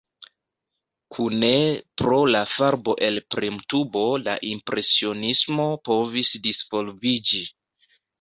Kune pro la farbo-elpremtubo la impresionismo povis disvolviĝi.